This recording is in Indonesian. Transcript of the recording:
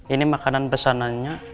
ini makanan pesanannya